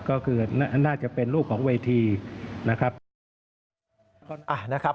ก็คือน่าจะเป็นรูปของเวทีนะครับ